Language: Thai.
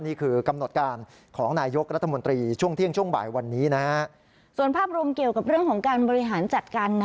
นี่คือกำหนดการณ์ของนายยกรัฐมนตรีช่วงเที่ยงช่วงบ่ายวันนี้นะ